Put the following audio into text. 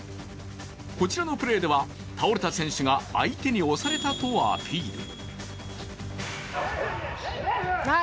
こちらのプレーでは倒れた選手が相手に押されたとアピール。